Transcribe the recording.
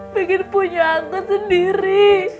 pengen punya angkot sendiri